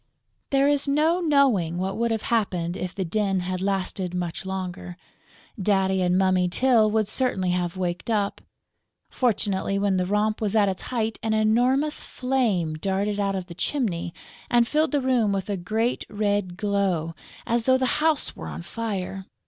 There is no knowing what would have happened if the din had lasted much longer. Daddy and Mummy Tyl would certainly have waked up. Fortunately, when the romp was at its height, an enormous flame darted out of the chimney and filled the room with a great red glow, as though the house were on fire.